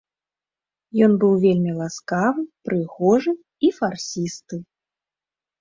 Ён быў вельмі ласкавы, прыгожы і фарсісты.